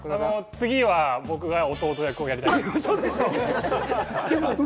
次は僕が弟役をやりたい。